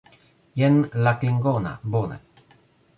Jen la klingona, bone!